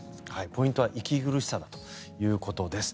ポイントは息苦しさだということです。